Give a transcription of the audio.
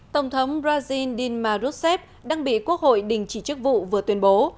tổng thống brazil dilma rousseff đang bị quốc hội đình chỉ chức vụ vừa tuyên bố